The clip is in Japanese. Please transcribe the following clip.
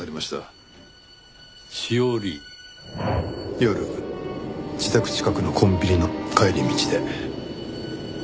夜自宅近くのコンビニの帰り道で。